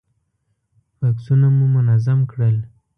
بکسونه مو منظم کړل.